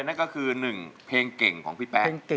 นั่นก็คือ๑เพลงเก่งของพี่แป๊ะ